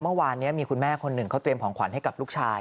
เมื่อวานนี้มีคุณแม่คนหนึ่งเขาเตรียมของขวัญให้กับลูกชาย